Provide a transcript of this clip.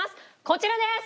こちらです。